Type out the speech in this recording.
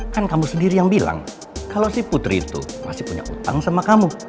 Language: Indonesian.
kan kamu sendiri yang bilang kalau si putri itu masih punya utang sama kamu